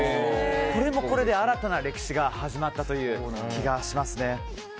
これもこれで新たな歴史が始まったという気がしますね。